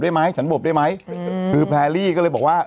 แต่อาจจะส่งมาแต่อาจจะส่งมา